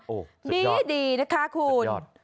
โอ้สุดยอดดีนะคะคุณ